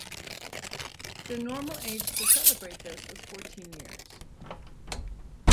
The normal age to celebrate this was fourteen years.